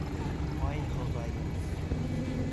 Ай, Хоҙайым!